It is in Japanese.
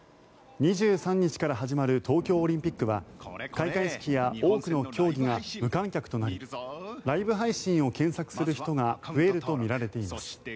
２３日から始まる東京オリンピックは開会式や多くの競技が無観客となりライブ配信を検索する人が増えるとみられています。